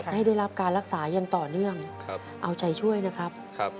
ได้รับการรักษาอย่างต่อเนื่องเอาใจช่วยนะครับ